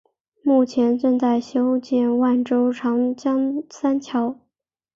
目前正在修建万州长江三桥。